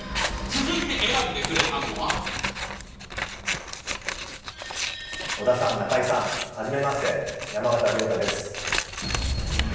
続いて選んでくれたのは織田さん、中井さんはじめまして、山縣亮太です。